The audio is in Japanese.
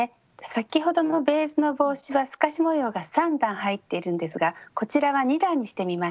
先ほどのベージュの帽子は透かし模様が３段入っているんですがこちらは２段にしてみました。